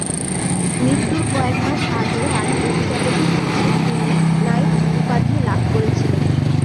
মৃত্যুর কয়েক মাস আগে রাণী এলিজাবেথের কাছে তিনি নাইট উপাধি লাভ করেছিলেন।